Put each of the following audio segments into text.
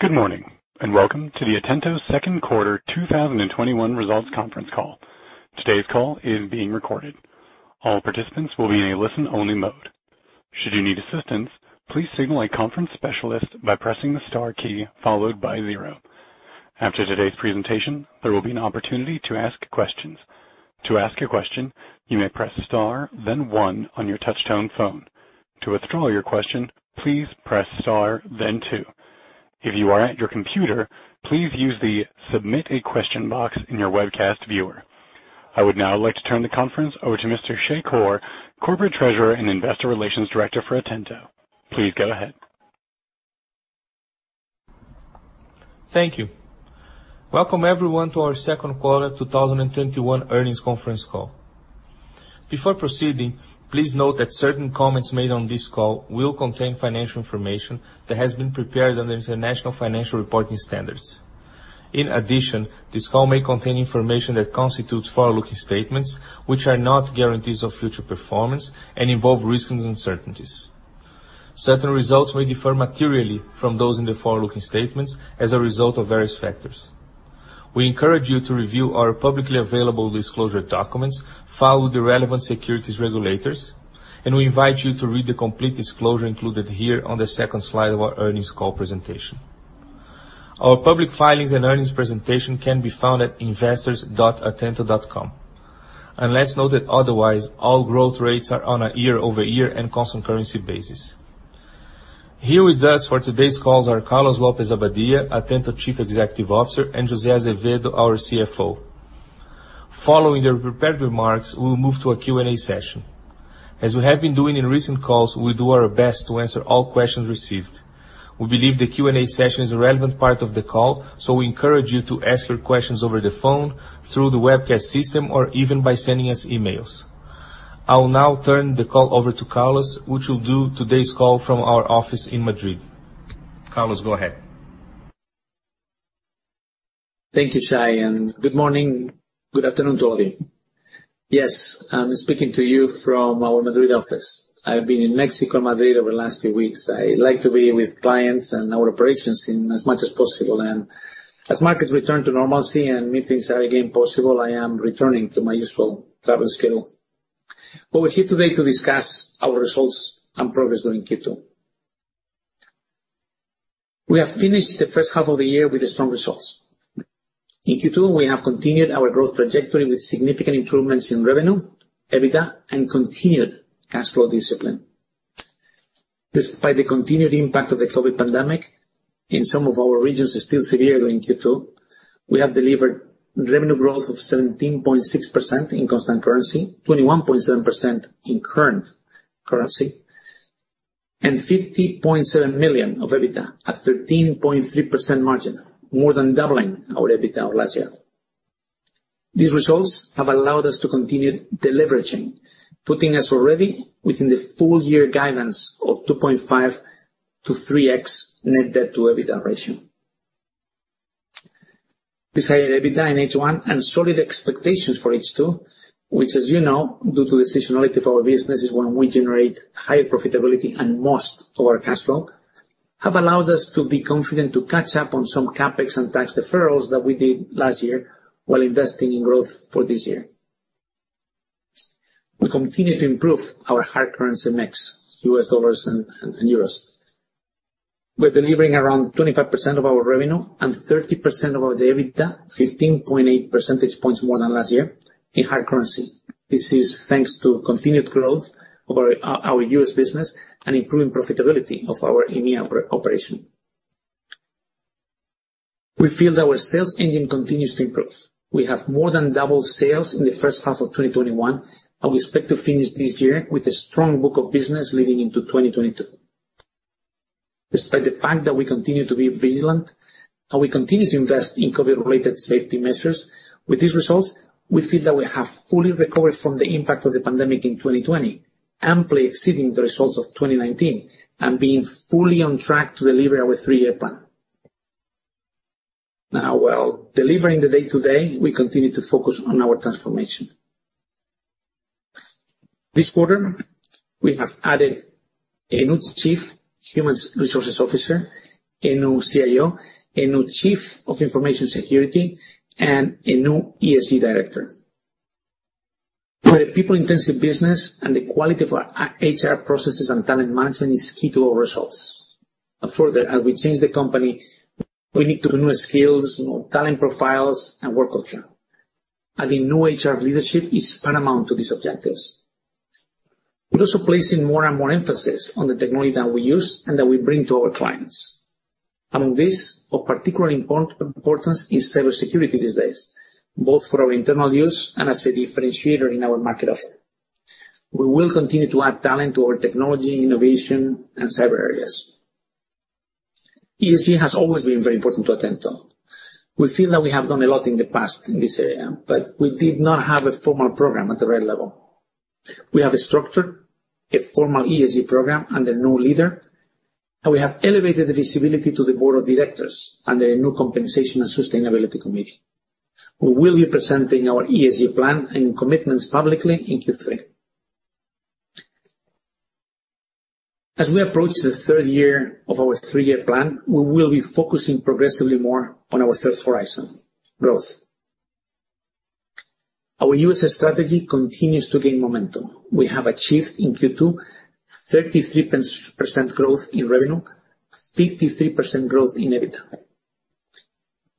Good morning. Welcome to the Atento second quarter 2021 results conference call. Today's call is being recorded. I would now like to turn the conference over to Mr. Shay Chor, Corporate Treasurer and Investor Relations Director for Atento. Please go ahead. Thank you. Welcome, everyone, to our second quarter 2021 earnings conference call. Before proceeding, please note that certain comments made on this call will contain financial information that has been prepared under International Financial Reporting Standards. In addition, this call may contain information that constitutes forward-looking statements, which are not guarantees of future performance and involve risks and uncertainties. Certain results may differ materially from those in the forward-looking statements as a result of various factors. We encourage you to review our publicly available disclosure documents, filed with the relevant securities regulators, and we invite you to read the complete disclosure included here on the second slide of our earnings call presentation. Our public filings and earnings presentation can be found at investors.atento.com. Unless noted otherwise, all growth rates are on a year-over-year and constant currency basis. Here with us for today's call are Carlos López-Abadía, Atento Chief Executive Officer, and José Azevedo, our Chief Financial Officer. Following their prepared remarks, we will move to a Q&A session. As we have been doing in recent calls, we will do our best to answer all questions received. We believe the Q&A session is a relevant part of the call, so we encourage you to ask your questions over the phone, through the webcast system, or even by sending us emails. I will now turn the call over to Carlos, which will do today's call from our office in Madrid. Carlos, go ahead. Thank you, Shay. Good morning. Good afternoon to all of you. Yes, I'm speaking to you from our Madrid office. I've been in Mexico and Madrid over the last few weeks. I like to be with clients and our operations as much as possible, and as markets return to normalcy and meetings are again possible, I am returning to my usual travel schedule. We're here today to discuss our results and progress during Q2. We have finished the first half of the year with strong results. In Q2, we have continued our growth trajectory with significant improvements in revenue, EBITDA, and continued cash flow discipline. Despite the continued impact of the COVID pandemic in some of our regions is still severe during Q2, we have delivered revenue growth of 17.6% in constant currency, 21.7% in current currency, and 50.7 million of EBITDA at 13.3% margin, more than doubling our EBITDA last year. These results have allowed us to continue deleveraging, putting us already within the full year guidance of 2.5x-3x net debt-to-EBITDA ratio. This higher EBITDA in H1 and solid expectations for H2, which as you know, due to the seasonality of our business, is when we generate higher profitability and most of our cash flow, have allowed us to be confident to catch up on some CapEx and tax deferrals that we did last year while investing in growth for this year. We continue to improve our hard currency mix, U.S. dollars and euros. We're delivering around 25% of our revenue and 30% of our EBITDA, 15.8 percentage points more than last year in hard currency. This is thanks to continued growth of our U.S. business and improving profitability of our EMEA operation. We feel that our sales engine continues to improve. We have more than doubled sales in the first half of 2021, and we expect to finish this year with a strong book of business leading into 2022. Despite the fact that we continue to be vigilant and we continue to invest in COVID-related safety measures, with these results, we feel that we have fully recovered from the impact of the pandemic in 2020, amply exceeding the results of 2019 and being fully on track to deliver our Three Horizon Plan. Now while delivering the day-to-day, we continue to focus on our transformation. This quarter, we have added a new Chief Human Resources Officer, a new Chief Information Officer, a new Chief of Information Security, and a new ESG Director. We're a people-intensive business, the quality of our HR processes and talent management is key to our results. Further, as we change the company, we need to renew skills, talent profiles, and work culture. Adding new Human Resource leadership is paramount to these objectives. We're also placing more and more emphasis on the technology that we use and that we bring to our clients. Among this, of particular importance is cybersecurity these days, both for our internal use and as a differentiator in our market offer. We will continue to add talent to our technology, innovation, and cyber areas. ESG has always been very important to Atento. We feel that we have done a lot in the past in this area, but we did not have a formal program at the right level. We have a structure, a formal ESG program under a new leader, and we have elevated the visibility to the board of directors under a new compensation and sustainability committee. We will be presenting our ESG plan and commitments publicly in Q3. As we approach the third year of our Three Horizon Plan, we will be focusing progressively more on our Third Horizon, growth. Our U.S. strategy continues to gain momentum. We have achieved in Q2 33% growth in revenue, 53% growth in EBITDA.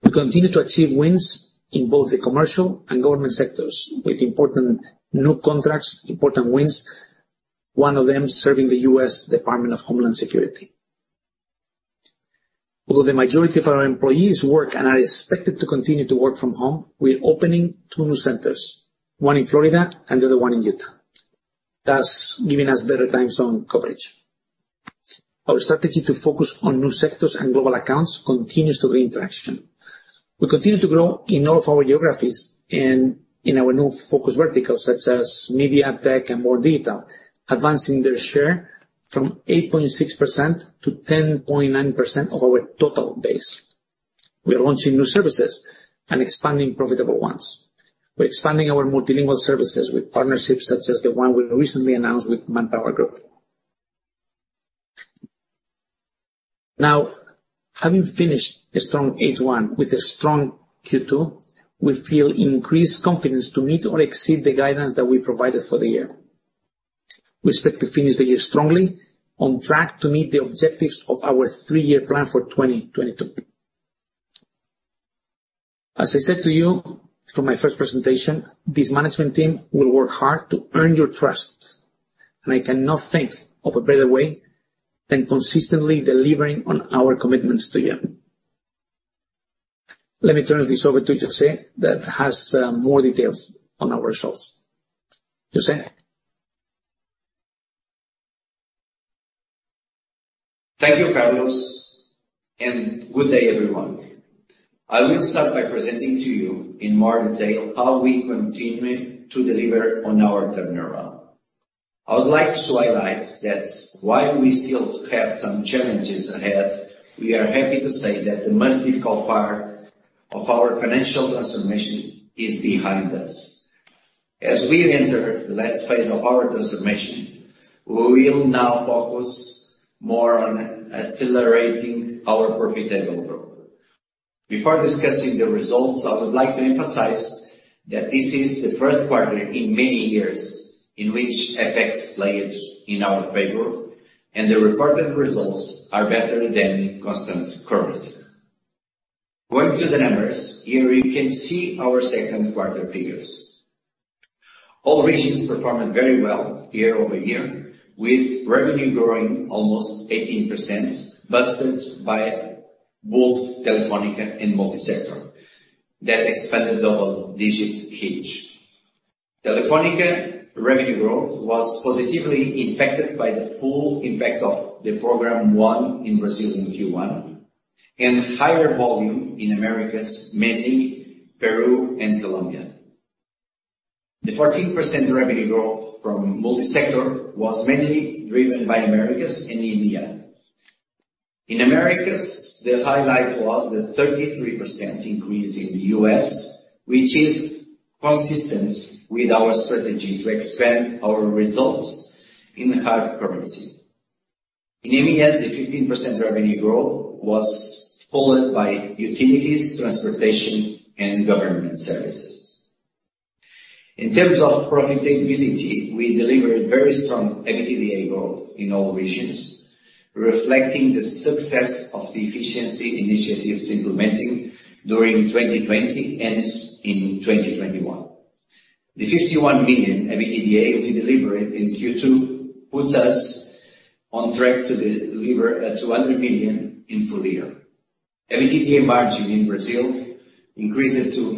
We continue to achieve wins in both the commercial and government sectors with important new contracts, important wins, one of them serving the U.S. Department of Homeland Security. Although the majority of our employees work and are expected to continue to work from home, we are opening new new centers, one in Florida and the other one in Utah, thus giving us better time zone coverage. Our strategy to focus on new sectors and global accounts continues to gain traction. We continue to grow in all of our geographies and in our new focus verticals, such as media, tech, and more data, advancing their share from 8.6%-10.9% of our total base. We are launching new services and expanding profitable ones. We're expanding our multilingual services with partnerships such as the 1 we recently announced with ManpowerGroup. Having finished a strong H1 with a strong Q2, we feel increased confidence to meet or exceed the guidance that we provided for the year. We expect to finish the year strongly, on track to meet the objectives of our Three Horizon Plan for 2022. As I said to you from my first presentation, this management team will work hard to earn your trust, and I cannot think of a better way than consistently delivering on our commitments to you. Let me turn this over to José, that has more details on our results. José? Thank you, Carlos, and good day, everyone. I will start by presenting to you in more detail how we continue to deliver on our turnaround. I would like to highlight that while we still have some challenges ahead, we are happy to say that the most difficult part of our financial transformation is behind us. As we enter the last phase of our transformation, we will now focus more on accelerating our profitable growth. Before discussing the results, I would like to emphasize that this is the first quarter in many years in which FX played in our favor, and the reported results are better than constant currency. Going to the numbers, here you can see our second quarter figures. All regions performed very well year-over-year, with revenue growing almost 18%, boosted by both Telefónica and multi-sector that expanded double digits each. Telefónica revenue growth was positively impacted by the full impact of the Programa one in Brazil in Q1 and higher volume in Americas, mainly Peru and Colombia. The 14% revenue growth from multi-sector was mainly driven by Americas and EMEA. In Americas, the highlight was the 33% increase in the U.S., which is consistent with our strategy to expand our results in hard currency. In EMEA, the 15% revenue growth was followed by utilities, transportation, and government services. In terms of profitability, we delivered very strong EBITDA growth in all regions, reflecting the success of the efficiency initiatives implemented during 2020 and in 2021. The 51 million EBITDA we delivered in Q2 puts us on track to deliver 200 million in full year. EBITDA margin in Brazil increased to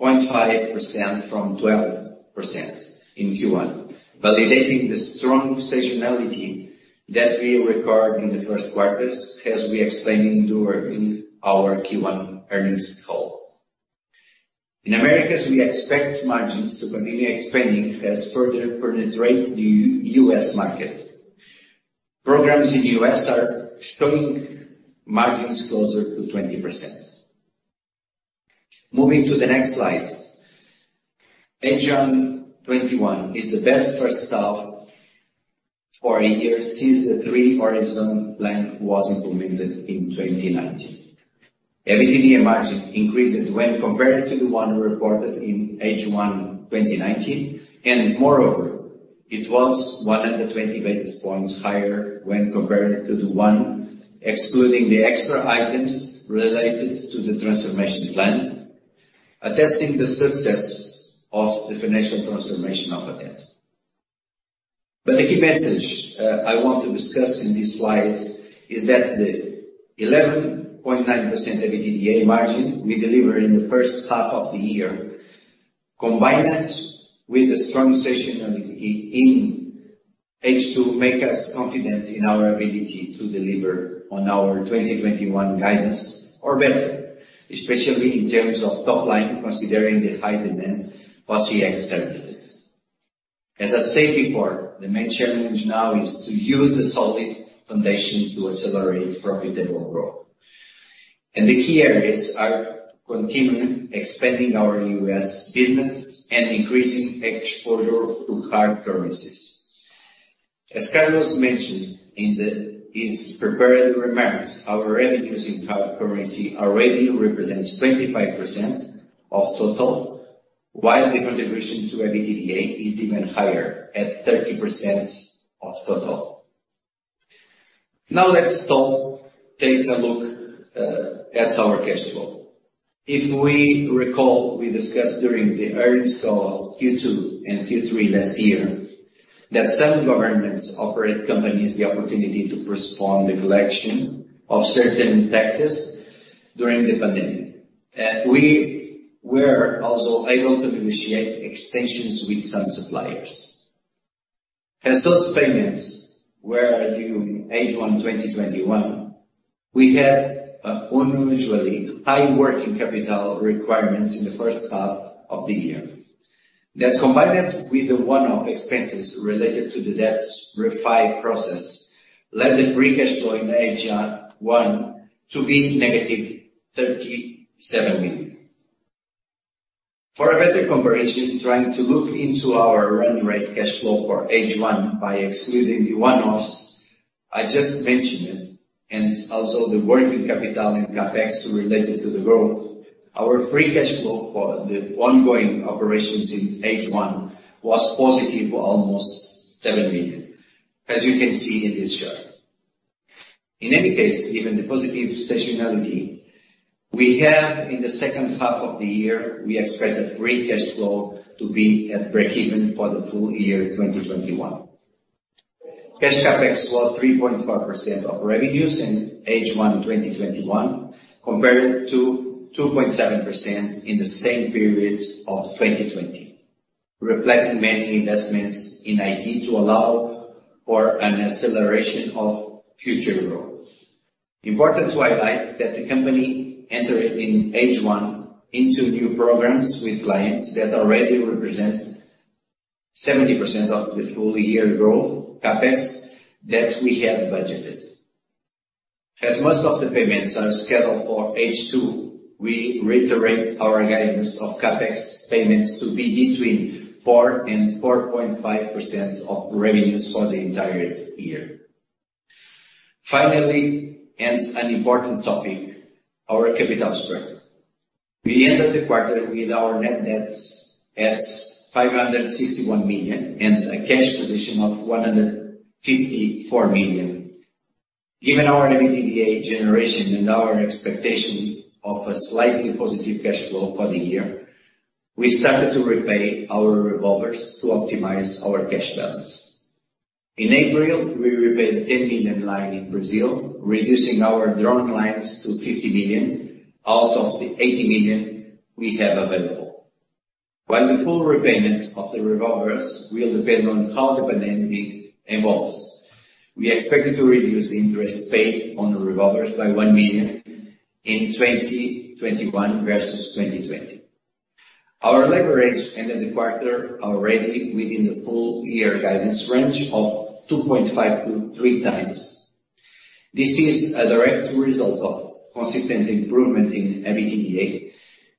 15.5% from 12% in Q1, validating the strong seasonality that we record in the first quarters as we explained during our Q1 earnings call. In Americas, we expect margins to continue expanding as further penetrate the U.S. market. Programs in the U.S. are showing margins closer to 20%. Moving to the next slide. H1 2021 is the best first half for a year since the Three Horizon Plan was implemented in 2019. EBITDA margin increased when compared to the one reported in H1 2019, and moreover, it was 120 basis points higher when compared to the one excluding the extra items related to the transformation plan, attesting the success of the financial transformation of Atento. The key message I want to discuss in this slide is that the 11.9% EBITDA margin we deliver in the first half of the year, combined with the strong seasonality in H2 make us confident in our ability to deliver on our 2021 guidance or better, especially in terms of top line, considering the high demand for CX services. As I said before, the main challenge now is to use the solid foundation to accelerate profitable growth. The key areas are continuing expanding our U.S. business and increasing exposure to hard currencies. As Carlos mentioned in his prepared remarks, our revenues in hard currency already represents 25% of total, while the contribution to EBITDA is even higher at 30% of total. Let's take a look at our cash flow. If we recall, we discussed during the earnings call Q2 and Q3 last year that some governments offered companies the opportunity to postpone the collection of certain taxes during the pandemic. We were also able to negotiate extensions with some suppliers. As those payments were due H1 2021, we had unusually high working capital requirements in the first half of the year. That, combined with the one-off expenses related to the debts refi process, led the free cash flow in the H1 to be negative 37 million. For a better comparison, trying to look into our run rate cash flow for H1 by excluding the one-offs I just mentioned, and also the working capital and CapEx related to the growth, our free cash flow for the ongoing operations in H1 was positive for almost 7 million, as you can see in this chart. In any case, given the positive seasonality we have in the second half of the year, we expect the free cash flow to be at breakeven for the full year 2021. Cash CapEx was 3.4% of revenues in H1 2021 compared to 2.7% in the same period of 2020, reflecting many investments in IT to allow for an acceleration of future growth. Important to highlight that the company entered in H1 into new programs with clients that already represent 70% of the full year growth CapEx that we have budgeted. Most of the payments are scheduled for H2, we reiterate our guidance of CapEx payments to be between 4%-4.5% of revenues for the entire year. Finally, an important topic, our capital structure. We ended the quarter with our net debts at 561 million and a cash position of 154 million. Given our EBITDA generation and our expectation of a slightly positive cash flow for the year, we started to repay our revolvers to optimize our cash balance. In April, we repaid the $10 million line in Brazil, reducing our drawn lines to $50 million out of the $80 million we have available. While the full repayment of the revolvers will depend on how the pandemic evolves, we expected to reduce the interest paid on the revolvers by $1 million in 2021 versus 2020. Our leverage ended the quarter already within the full year guidance range of 2.5x-3x. This is a direct result of consistent improvement in EBITDA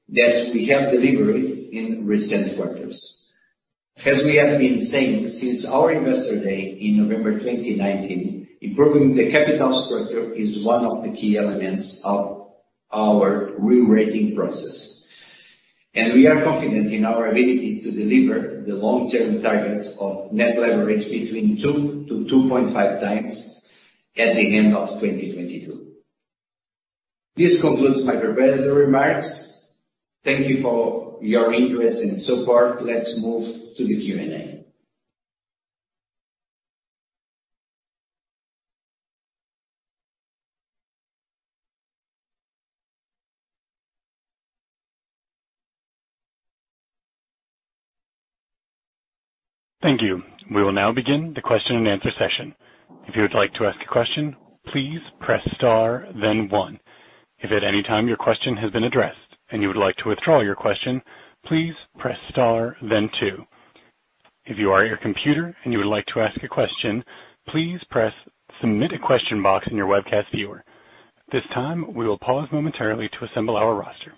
that we have delivered in recent quarters. As we have been saying since our investor day in November 2019, improving the capital structure is one of the key elements of our rerating process, and we are confident in our ability to deliver the long-term target of net leverage between 2x-2.5x at the end of 2022. This concludes my prepared remarks. Thank you for your interest and support. Let's move to the Q&A. Thank you. We will now begin the question and answer session. If you would like to ask a question, please press star then one. If at any time your question has been addressed and you would like to withdraw your question, please press star then two. If you are at your computer and you would like to ask a question, please press Submit a Question box in your webcast viewer. At this time, we will pause momentarily to assemble our roster.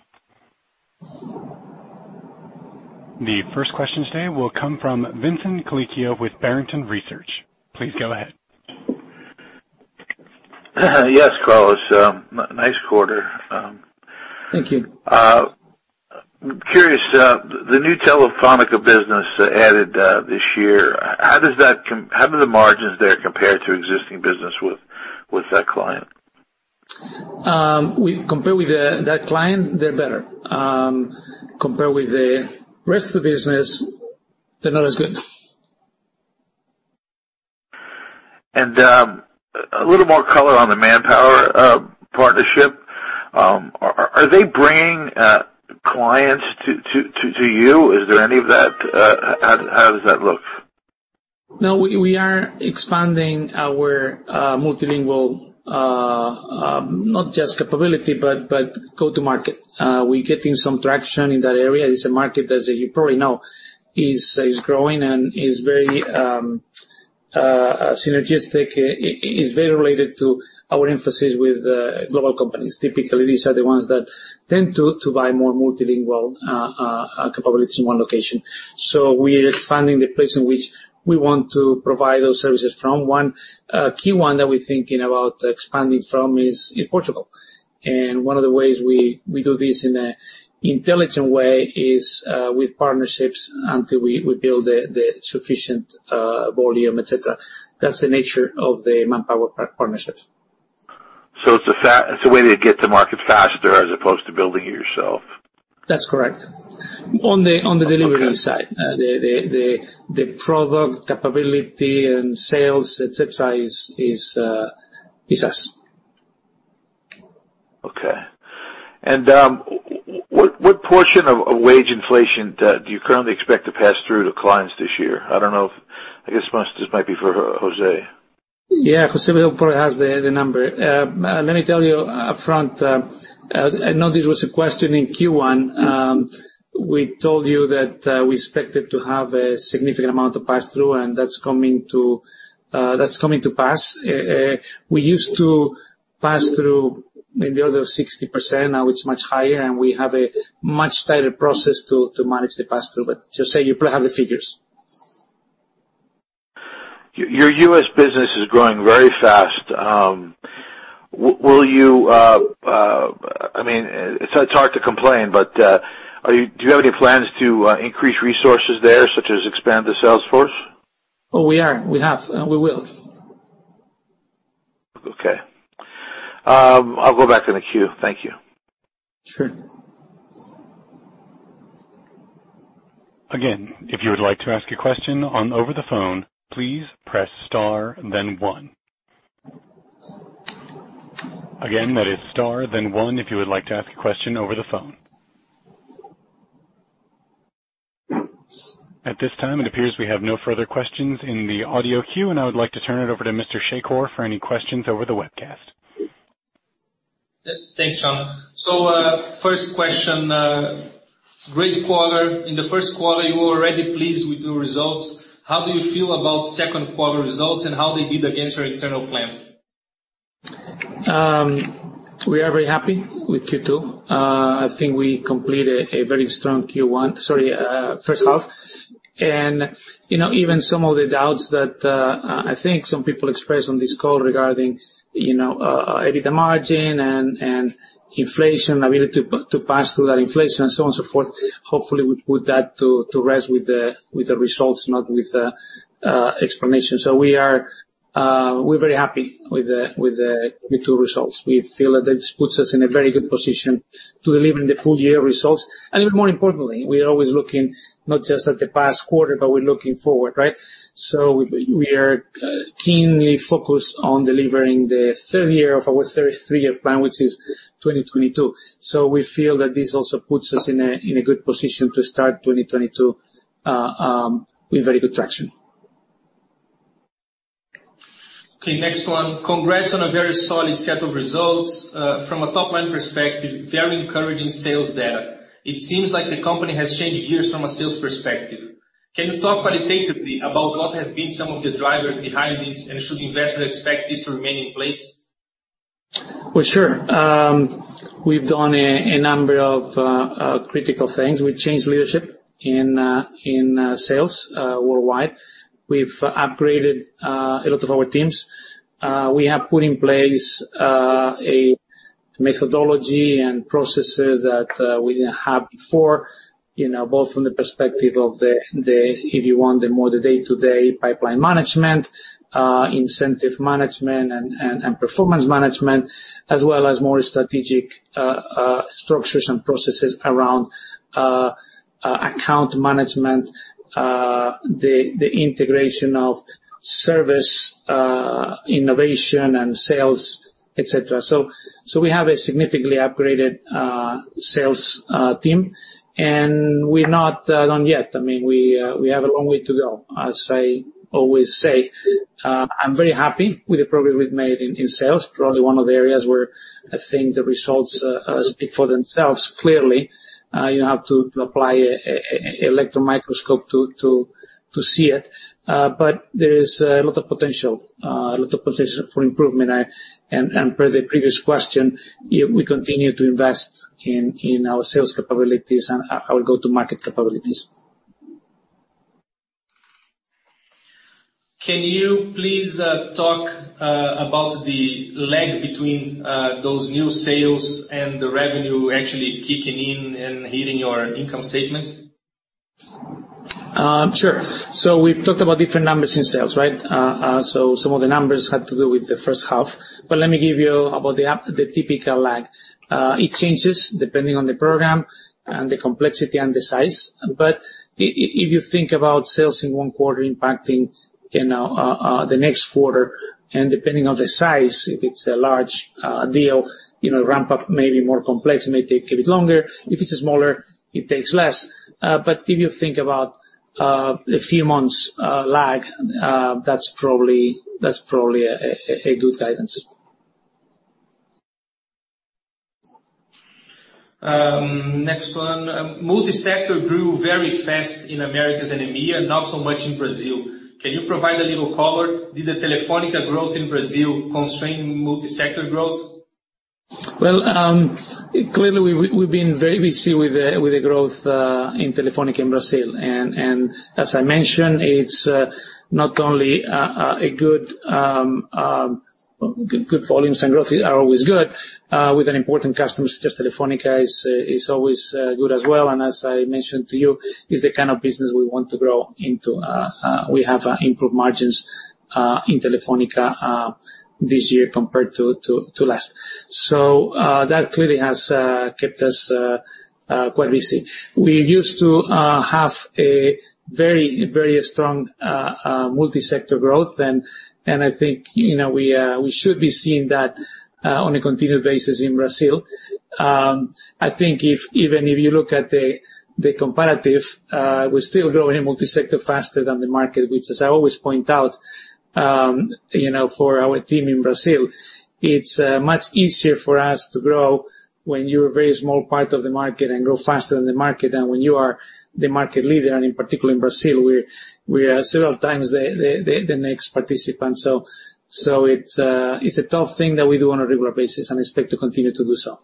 The first question today will come from Vincent Colicchio with Barrington Research. Please go ahead. Yes, Carlos. Nice quarter. Thank you. Curious, the new Telefónica business added this year, how do the margins there compare to existing business with that client? Compared with that client, they're better. Compared with the rest of the business, they're not as good. A little more color on the Manpower partnership. Are they bringing clients to you? Is there any of that? How does that look? No, we are expanding our multilingual, not just capability, but go to market. We're getting some traction in that area. It's a market, as you probably know, is growing and is very. Synergistic is very related to our emphasis with global companies. Typically, these are the ones that tend to buy more multilingual capabilities in one location. We're expanding the place in which we want to provide those services from. One key one that we're thinking about expanding from is Portugal. One of the ways we do this in an intelligent way is with partnerships until we build the sufficient volume, et cetera. That's the nature of the Manpower partnerships. It's a way to get to market faster as opposed to building it yourself. That's correct. On the delivery side. Okay. The product capability and sales, et cetera, is us. Okay. What portion of wage inflation do you currently expect to pass through to clients this year? I don't know. I guess this might be for José. Yeah, José Azevedo has the number. Let me tell you upfront. I know this was a question in Q1. We told you that we expected to have a significant amount of pass-through, and that's coming to pass. We used to pass through maybe around 60%. Now it's much higher, and we have a much tighter process to manage the pass-through. Jose, you probably have the figures. Your U.S. business is growing very fast. It's hard to complain, but do you have any plans to increase resources there, such as expand the sales force? Oh, we are. We have, and we will. Okay. I'll go back in the queue. Thank you. Sure. Again, if you would like to ask a question over the phone, please press star then one. Again, that is star then one if you would like to ask a question over the phone. At this time, it appears we have no further questions in the audio queue, and I would like to turn it over to Mr. Shay Chor for any questions over the webcast. Thanks, John. First question. Great quarter. In the first quarter, you were already pleased with your results. How do you feel about second quarter results and how they did against your internal plans? We are very happy with Q2. I think we completed a very strong first half. Even some of the doubts that I think some people expressed on this call regarding EBITDA margin and inflation, ability to pass through that inflation, and so on and so forth, hopefully we put that to rest with the results, not with explanation. We're very happy with the Q2 results. We feel that this puts us in a very good position to deliver in the full year results. Even more importantly, we are always looking not just at the past quarter, but we're looking forward, right? We are keenly focused on delivering the third year of our three-year plan, which is 2022. We feel that this also puts us in a good position to start 2022 with very good traction. Okay, next one. Congrats on a very solid set of results. From a top-line perspective, very encouraging sales data. It seems like the company has changed gears from a sales perspective. Can you talk qualitatively about what have been some of the drivers behind this, and should investors expect this to remain in place? Well, sure. We've done a number of critical things. We changed leadership in sales worldwide. We've upgraded a lot of our teams. We have put in place a methodology and processes that we didn't have before, both from the perspective of the, if you want, the more the day-to-day pipeline management, incentive management, and performance management, as well as more strategic structures and processes around account management, the integration of service innovation and sales, et cetera. We have a significantly upgraded sales team, and we're not done yet. We have a long way to go. As I always say, I'm very happy with the progress we've made in sales. Probably one of the areas where I think the results speak for themselves, clearly. You don't have to apply an electron microscope to see it. There is a lot of potential for improvement. Per the previous question, we continue to invest in our sales capabilities and our go-to-market capabilities. Can you please talk about the lag between those new sales and the revenue actually kicking in and hitting your income statement? Sure. We've talked about different numbers in sales, right? Some of the numbers had to do with the first half. Let me give you about the typical lag. It changes depending on the program and the complexity and the size. If you think about sales in one quarter impacting the next quarter, and depending on the size, if it's a large deal, ramp up may be more complex, it may take a bit longer. If it's smaller, it takes less. If you think about a few months lag, that's probably a good guidance. Next one. Multi-sector grew very fast in Americas and EMEA, not so much in Brazil. Can you provide a little color? Did the Telefónica growth in Brazil constrain multi-sector growth? Clearly, we've been very busy with the growth in Telefónica in Brazil. As I mentioned, good volumes and growth are always good, with an important customer such as Telefónica is always good as well. As I mentioned to you, it's the kind of business we want to grow into. We have improved margins in Telefónica this year compared to last. That clearly has kept us quite busy. We used to have a very strong multi-sector growth, I think we should be seeing that on a continued basis in Brazil. I think even if you look at the comparative, we're still growing in multi-sector faster than the market, which as I always point out, for our team in Brazil, it's much easier for us to grow when you're a very small part of the market and grow faster than the market than when you are the market leader. In particular in Brazil, we are several times the next participant. It's a tough thing that we do on a regular basis and expect to continue to do so.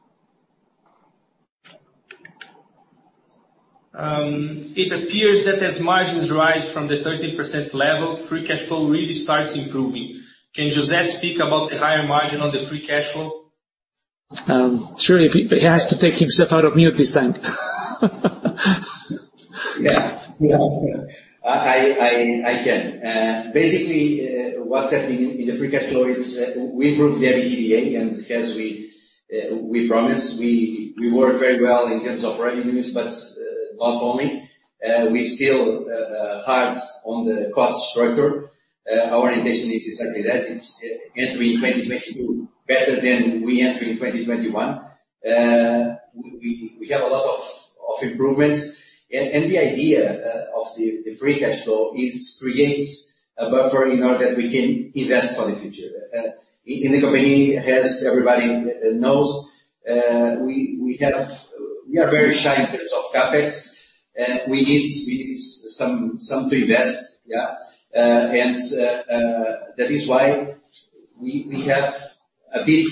It appears that as margins rise from the 13% level, free cash flow really starts improving. Can José speak about the higher margin on the free cash flow? Sure. If he has to take himself out of mute this time. Yeah. I can. Basically, what's happening in the free cash flow is, we improved the EBITDA, and as we promised, we work very well in terms of revenues, but not only. We still hard on the cost structure. Our intention is exactly that. It's entering 2022 better than we enter in 2021. We have a lot of improvements. The idea of the free cash flow is creates a buffer in order that we can invest for the future. In the company, as everybody knows, we are very shy in terms of CapEx. We need some to invest. Yeah. That is why we have a bit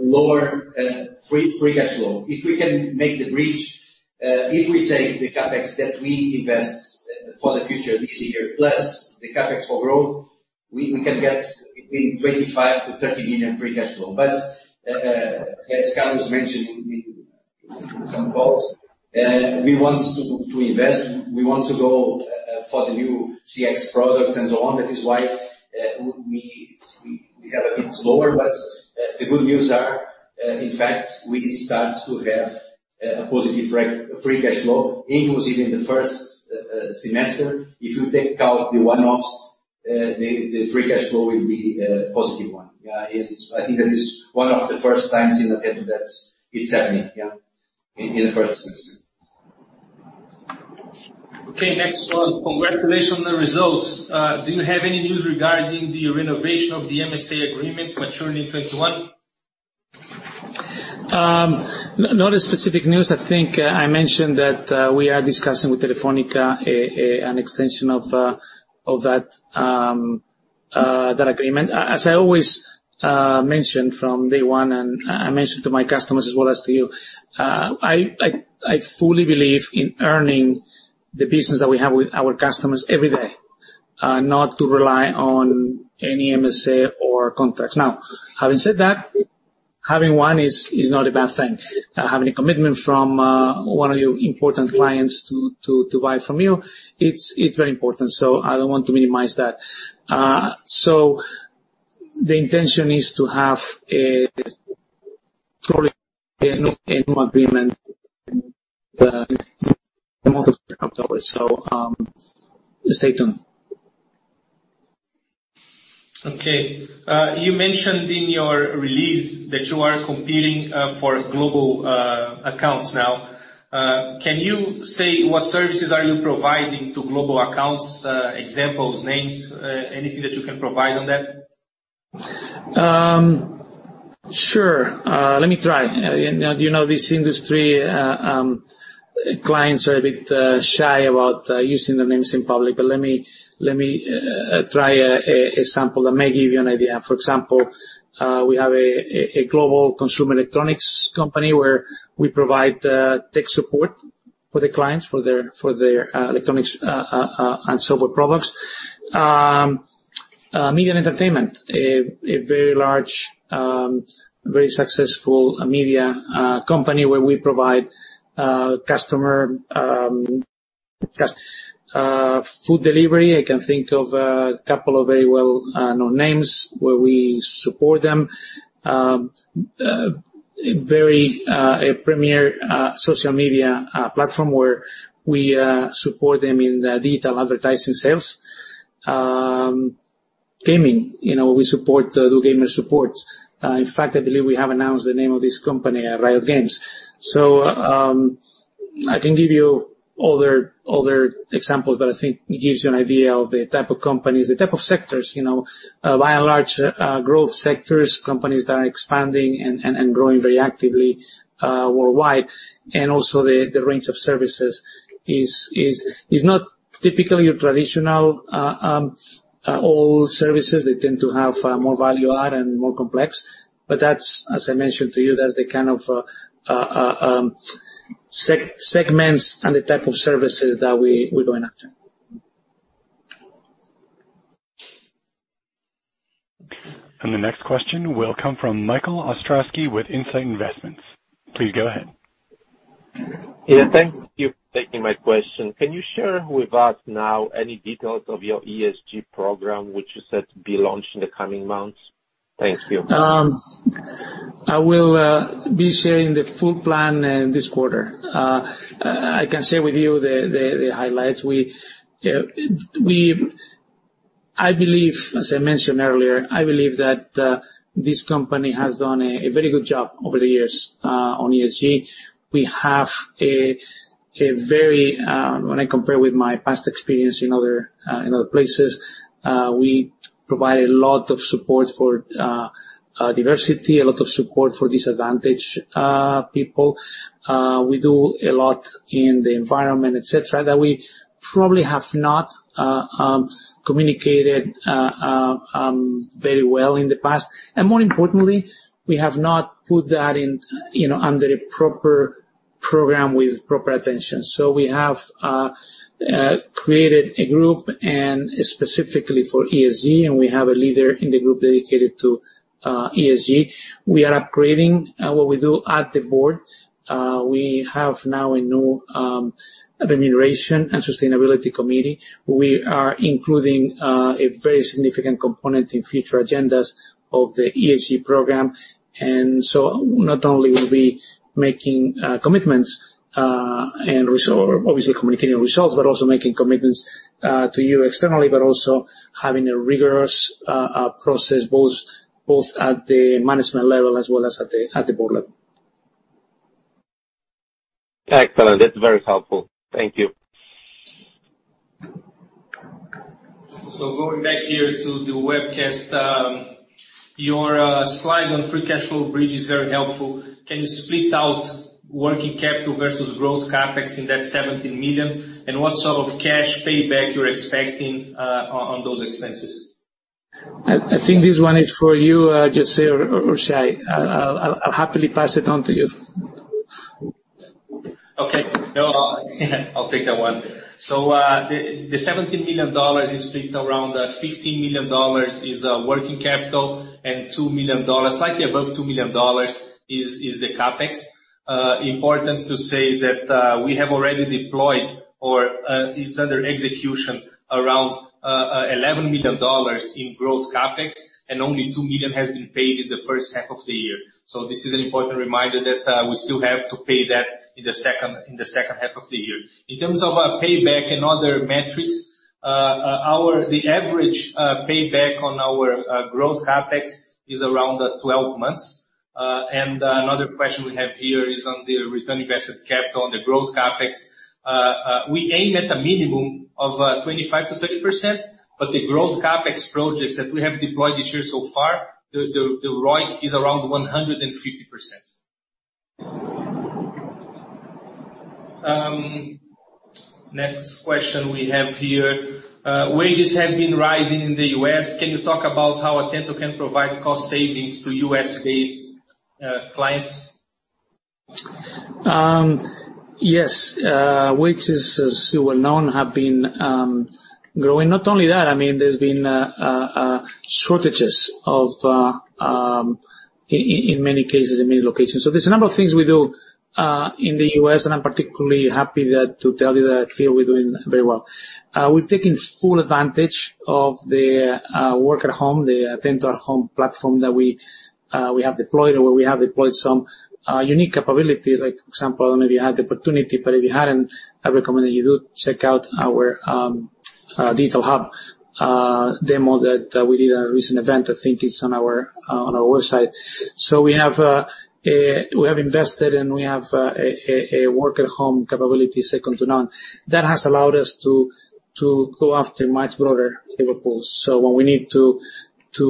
lower free cash flow. If we can make the bridge, if we take the CapEx that we invest for the future this year, plus the CapEx for growth, we can get between 25 million-30 million free cash flow. As Carlos mentioned in some calls, we want to invest. We want to go for the new CX products and so on. That is why we have a bit slower, but the good news are, in fact, we start to have a positive free cash flow, inclusive in the first semester. If you take out the one-offs, the free cash flow will be a positive one. Yeah, I think that is one of the first times in Atento that it's happening. Yeah. In the first semester. Okay, next one. Congratulations on the results. Do you have any news regarding the renovation of the MSA agreement maturing in 2021? Not a specific news. I think I mentioned that we are discussing with Telefónica an extension of that agreement. As I always mention from day one, and I mention to my customers as well as to you, I fully believe in earning the business that we have with our customers every day, not to rely on any MSA or contracts. Now, having said that, having one is not a bad thing. Having a commitment from one of your important clients to buy from you, it's very important. I don't want to minimize that. The intention is to have a probably a new agreement in the month of October. Stay tuned. Okay. You mentioned in your release that you are competing for global accounts now. Can you say what services are you providing to global accounts, examples, names, anything that you can provide on that? Sure. Let me try. You know this industry, clients are a bit shy about using their names in public. Let me try a sample that may give you an idea. For example, we have a global consumer electronics company where we provide tech support for the clients, for their electronics and several products. Media and entertainment, a very large, very successful media company where we provide food delivery. I can think of a couple of very well-known names where we support them. A premier social media platform where we support them in their digital advertising sales. Gaming. We do gaming supports. In fact, I believe we have announced the name of this company, Riot Games. I can give you other examples. I think it gives you an idea of the type of companies, the type of sectors. By and large growth sectors, companies that are expanding and growing very actively worldwide. Also, the range of services is not typically your traditional old services. They tend to have more value add and more complex, but that's, as I mentioned to you, that's the kind of segments and the type of services that we're going after. The next question will come from Michael Ostrowski with Insite Investments. Please go ahead. Yeah, thank you for taking my question. Can you share with us now any details of your ESG program, which you said be launched in the coming months? Thank you. I will be sharing the full plan this quarter. I can share with you the highlights. As I mentioned earlier, I believe that this company has done a very good job over the years on ESG. When I compare with my past experience in other places, we provide a lot of support for diversity, a lot of support for disadvantaged people. We do a lot in the environment, et cetera, that we probably have not communicated very well in the past. More importantly, we have not put that under a proper program with proper attention. We have created a group and specifically for ESG, and we have a leader in the group dedicated to ESG. We are upgrading what we do at the board. We have now a new Remuneration and Sustainability Committee. We are including a very significant component in future agendas of the ESG program. Not only will we making commitments, and obviously communicating results, but also making commitments to you externally, but also having a rigorous process both at the management level as well as at the board level. Excellent. That is very helpful. Thank you. Going back here to the webcast, your slide on free cash flow bridge is very helpful. Can you split out working capital versus growth CapEx in that $17 million? What sort of cash payback you're expecting on those expenses? I think this one is for you, José or Shay. I'll happily pass it on to you. Okay. No, I'll take that one. The BRL 17 million is split around BRL 15 million is working capital and slightly above BRL 2 million is the CapEx. Importance to say that we have already deployed or is under execution around BRL 11 million in growth CapEx, and only 2 million has been paid in the first half of the year. This is an important reminder that we still have to pay that in the second half of the year. In terms of payback and other metrics, the average payback on our growth CapEx is around 12 months. Another question we have here is on the return on invested capital on the growth CapEx. We aim at a minimum of 25%-30%, but the growth CapEx projects that we have deployed this year so far, the ROI is around 150%. Next question we have here. Wages have been rising in the U.S., can you talk about how Atento can provide cost savings to U.S.-based clients? Yes. Wages, as you well know, have been growing. Not only that, there's been shortages in many cases, in many locations. There's a number of things we do in the U.S., and I'm particularly happy to tell you that here we're doing very well. We've taken full advantage of the work at home, the Atento at Home platform that we have deployed, and where we have deployed some unique capabilities. Like, for example, maybe you had the opportunity, but if you haven't, I recommend that you do check out our digital hub demo that we did at a recent event. I think it's on our website. We have invested and we have a work at home capability second to none. That has allowed us to go after much broader talent pools. When we need to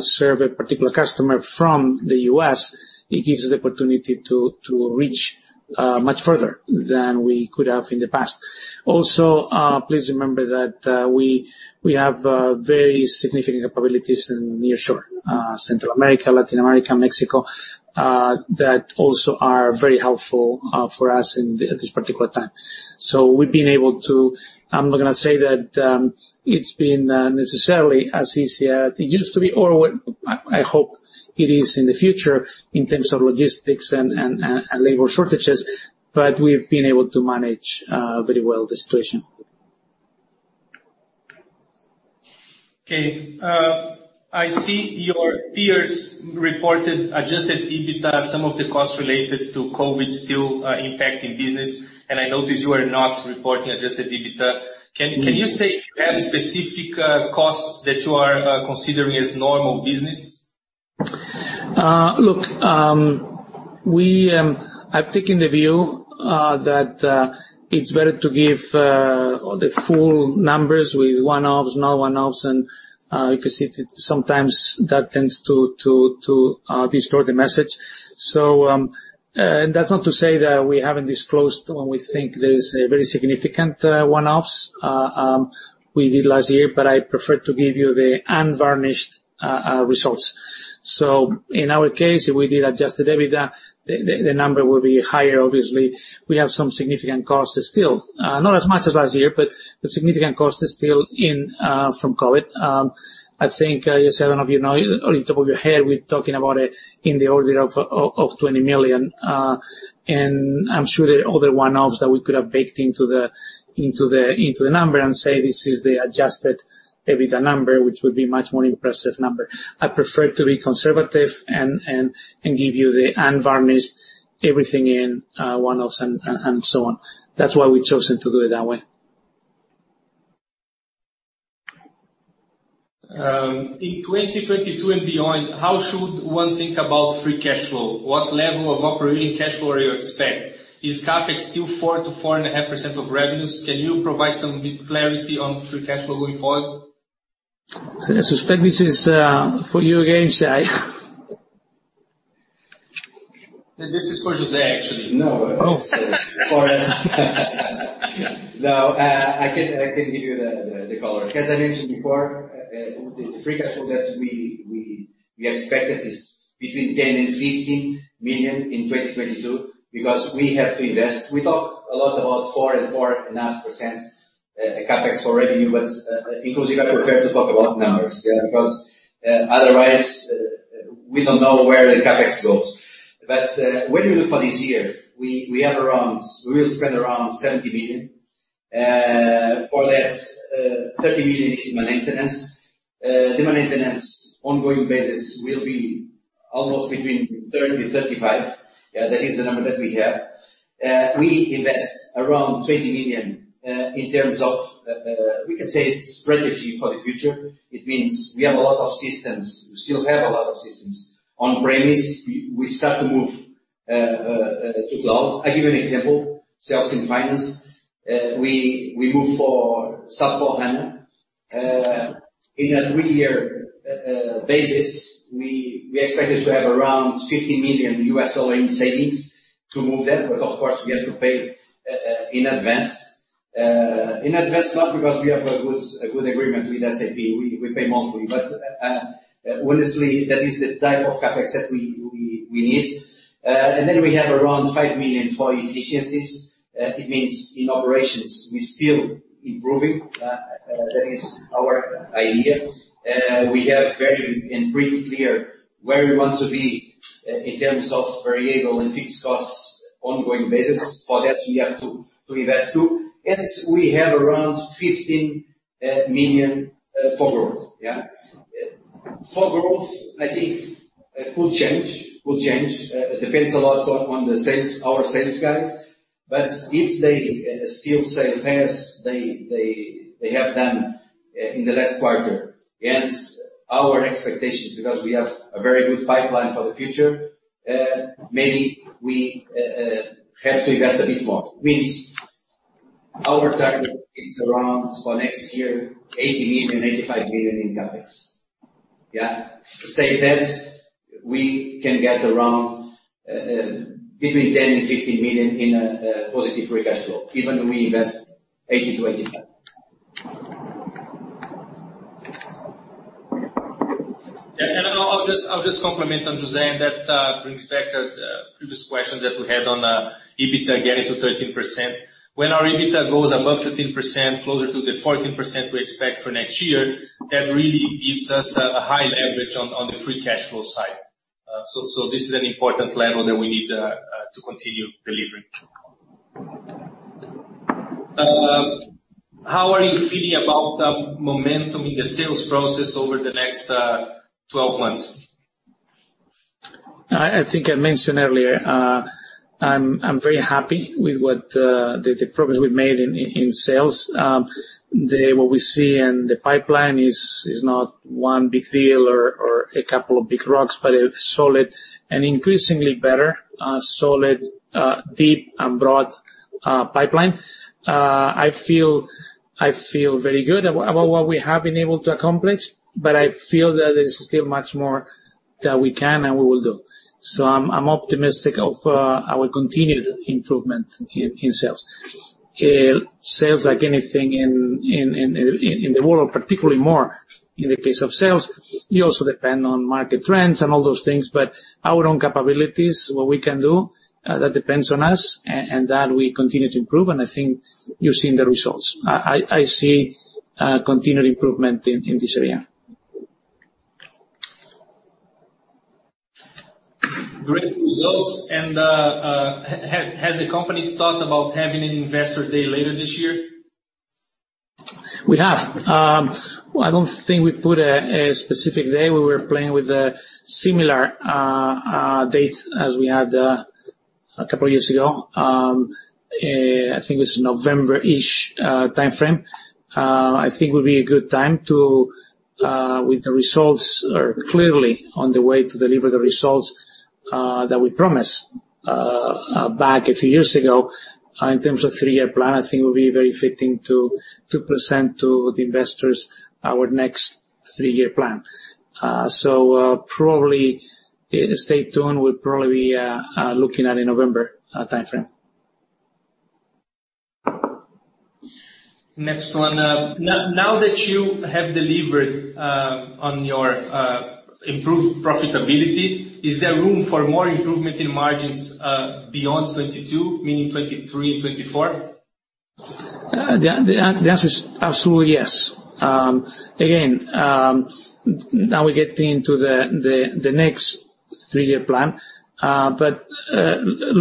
serve a particular customer from the U.S., it gives us the opportunity to reach much further than we could have in the past. Also, please remember that we have very significant capabilities in nearshore, Central America, Latin America, Mexico, that also are very helpful for us at this particular time. I'm not going to say that it's been necessarily as easy as it used to be or what I hope it is in the future in terms of logistics and labor shortages, but we've been able to manage very well the situation. Okay. I see your peers reported adjusted EBITDA, some of the costs related to COVID still impacting business. I notice you are not reporting adjusted EBITDA. Can you say if you have specific costs that you are considering as normal business? Look, I've taken the view that it's better to give the full numbers with one-offs, no one-offs, and you can see sometimes that tends to distort the message. That's not to say that we haven't disclosed when we think there's very significant one-offs. We did last year, but I prefer to give you the unvarnished results. In our case, if we did adjusted EBITDA, the number will be higher obviously. We have some significant costs still, not as much as last year, but significant costs still in from COVID. I think, Jose, I don't know if you know on the top of your head, we're talking about it in the order of 20 million. I'm sure there are other one-offs that we could have baked into the number and say, "This is the adjusted EBITDA number," which would be much more impressive number. I prefer to be conservative and give you the unvarnished everything in one-offs and so on. That's why we've chosen to do it that way. In 2022 and beyond, how should one think about free cash flow? What level of operating cash flow you expect? Is CapEx still 4%-4.5% of revenues? Can you provide some deep clarity on free cash flow going forward? I suspect this is for you again, José. This is for Jose, actually. No. Oh. For us. I can give you the color. As I mentioned before, the free cash flow that we expected is between 10 million and 15 million in 2022 because we have to invest. We talk a lot about 4% and 4.5% CapEx for revenue, but because you got to prefer to talk about numbers. Otherwise, we don't know where the CapEx goes. When you look for this year, we will spend around 70 million. For that, 30 million is maintenance. The maintenance ongoing basis will be almost between 30 million-35 million. That is the number that we have. We invest around 20 million, in terms of, we can say strategy for the future. It means we have a lot of systems. We still have a lot of systems on-premise. We start to move to cloud. I give you an example. Sales and finance. We move for SAP HANA. In a 3-year basis, we expected to have around $50 million in savings to move that. Of course, we have to pay in advance. In advance, not because we have a good agreement with SAP. We pay monthly. Honestly, that is the type of CapEx that we need. We have around $5 million for efficiencies. It means in operations, we are still improving. That is our idea. We have very and pretty clear where we want to be in terms of variable and fixed costs ongoing basis. For that, we have to invest, too. We have around $15 million for growth. For growth, I think could change. Depends a lot on our sales guys. If they still sell as they have done in the last quarter, and our expectations, because we have a very good pipeline for the future, maybe we have to invest a bit more. Means our target is around, for next year, 80 million-85 million in CapEx. To say that we can get around between 10 million-15 million in a positive free cash flow, even we invest 80 million-85 million. I'll just complement on José, that brings back previous questions that we had on EBITDA getting to 13%. When our EBITDA goes above 13%, closer to the 14% we expect for next year, that really gives us a high leverage on the free cash flow side. This is an important level that we need to continue delivering. How are you feeling about momentum in the sales process over the next 12 months? I think I mentioned earlier, I'm very happy with the progress we've made in sales. What we see in the pipeline is not one big deal or a couple of big rocks, but a solid and increasingly better solid, deep, and broad pipeline. I feel very good about what we have been able to accomplish, but I feel that there's still much more that we can and we will do. I'm optimistic of our continued improvement in sales. Sales, like anything in the world, particularly more in the case of sales, you also depend on market trends and all those things. Our own capabilities, what we can do, that depends on us, and that we continue to improve, and I think you're seeing the results. I see continued improvement in this area. Great results. Has the company thought about having an investor day later this year? I don't think we put a specific day. We were playing with a similar date as we had a couple of years ago. I think it's November-ish timeframe. I think it would be a good time with the results or clearly on the way to deliver the results that we promised back a few years ago in terms of Three Horizon Plan. I think it would be very fitting to present to the investors our next Three Horizon Plan. Probably stay tuned, we'll probably be looking at a November timeframe. Next one. Now that you have delivered on your improved profitability, is there room for more improvement in margins beyond 2022, meaning 2023 and 2024? The answer is absolutely yes. Again, now we're getting to the next three-year pln.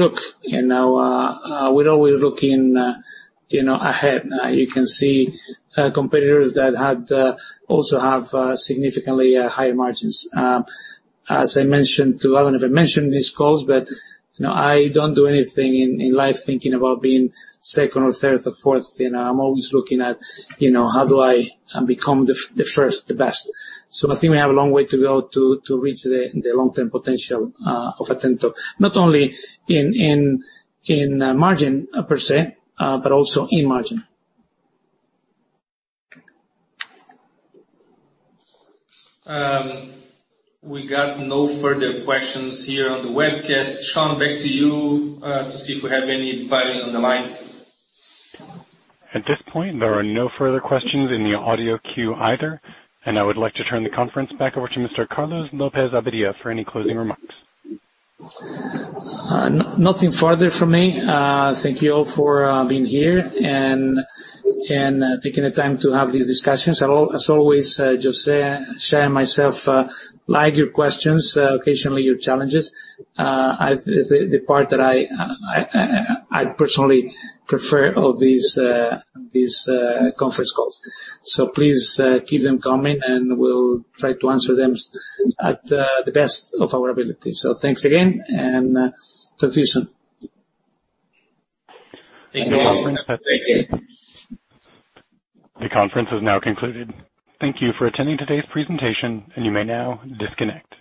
Look, we're always looking ahead. You can see competitors that also have significantly higher margins. As I mentioned to Alan, if I mentioned these calls, I don't do anything in life thinking about being second or third or fourth. I'm always looking at how do I become the first, the best. I think we have a long way to go to reach the long-term potential of Atento, not only in margin per se, but also in margin. We got no further questions here on the webcast. Shay Chor, back to you, to see if we have anybody on the line. At this point, there are no further questions in the audio queue either, and I would like to turn the conference back over to Mr. Carlos López-Abadía for any closing remarks. Nothing further from me. Thank you all for being here and taking the time to have these discussions. As always, Jose, Shay, and myself like your questions, occasionally your challenges. It's the part that I personally prefer of these conference calls. Please keep them coming, and we'll try to answer them at the best of our ability. Thanks again, and talk to you soon. Thank you. The conference is now concluded. Thank you for attending today's presentation, and you may now disconnect.